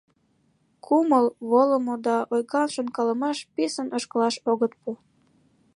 Кумыл волымо да ойган шонкалымаш писын ошкылаш огыт пу.